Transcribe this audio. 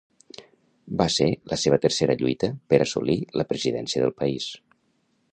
Va ser la seva tercera lluita per assolir la presidència del país.